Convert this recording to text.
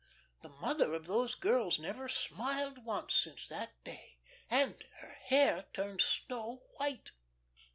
The mother of those girls never smiled once since that day, and her hair turned snow white.